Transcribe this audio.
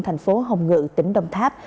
thành phố hồng ngự tỉnh đồng tháp